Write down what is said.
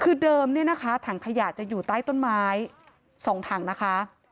คือเดิมเนี่ยนะคะถังขยะจะอยู่ใต้ต้นไม้๒ถังนะคะ